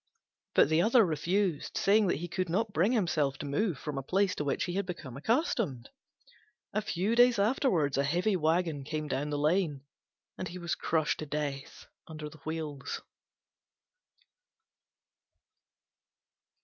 But the other refused, saying that he could not bring himself to move from a place to which he had become accustomed. A few days afterwards a heavy waggon came down the lane, and he was crushed to death under the wheels.